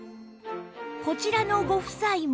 こちらのご夫妻も